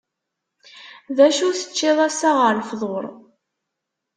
D acu teččiḍ assa ɣer lfeḍur?